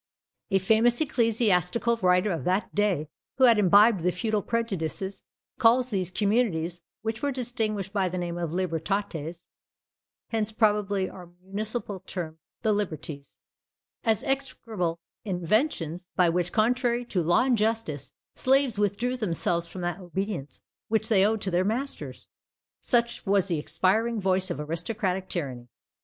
A famous ecclesiastical writer of that day, who had imbibed the feudal prejudices, calls these communities, which were distinguished by the name of libertates (hence probably our municipal term the liberties), as "execrable inventions, by which, contrary to law and justice, slaves withdrew themselves from that obedience which they owed to their masters." Such was the expiring voice of aristocratic tyranny!